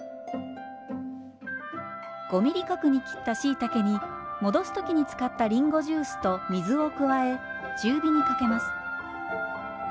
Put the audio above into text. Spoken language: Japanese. ５ｍｍ角に切ったしいたけに戻す時に使ったりんごジュースと水を加え中火にかけます。